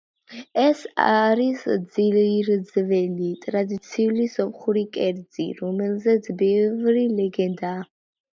ეს არის ძირძველი ტრადიციული სომხური კერძი, რომელზეც ბევრი ლეგენდაა.